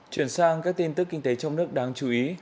chuyển sang các tin tức kinh tế trong nước đáng chú ý